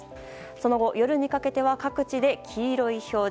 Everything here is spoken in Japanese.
その後、夜にかけては各地で黄色い表示。